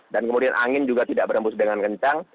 dan kemudian angin juga tidak berembus dengan kencang